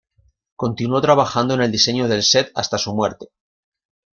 Continuó trabajando en el diseño del set hasta su muerte.